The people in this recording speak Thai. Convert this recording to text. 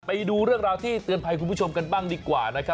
ไปดูเรื่องราวที่เตือนภัยคุณผู้ชมกันบ้างดีกว่านะครับ